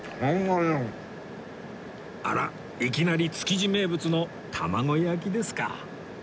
あらいきなり築地名物の卵焼きですか